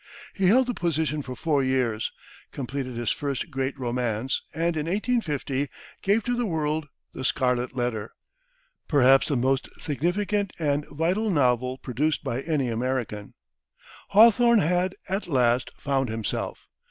He held the position for four years, completed his first great romance, and in 1850 gave to the world "The Scarlet Letter," perhaps the most significant and vital novel produced by any American. Hawthorne had, at last, "found himself."